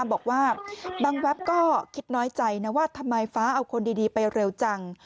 บอกว่าบางแวบก็คิดน้อยใจนะว่าทำไมฟ้าเอาคนดีไปเร็วจัง